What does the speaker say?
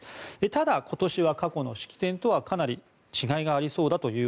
ただ、今年は過去の式典とはかなり違いがありそうだと。